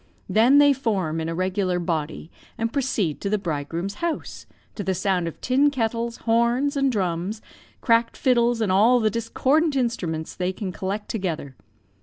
They then form in a regular body, and proceed to the bridegroom's house, to the sound of tin kettles, horns, and drums, cracked fiddles, and all the discordant instruments they can collect together.